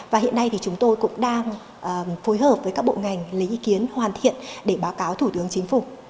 và hiện nay thì chúng tôi cũng đang phối hợp với các bộ ngành lấy ý kiến hoàn thiện để báo cáo thủ tướng chính phủ